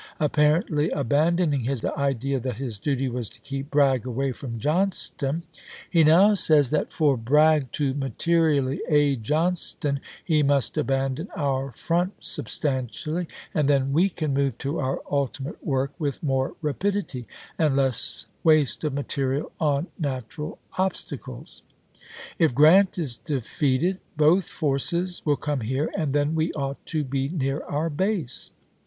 Apparently abandoning his idea that his duty was to keep Bragg away from Johnston, he now says that " for Bragg to materially aid John ston he must abandon our front substantially, and then we can move to our ultimate work with more rapidity and less waste of material on natural obstacles. If Grant is defeated both forces will come here, and then we ought to be near our base."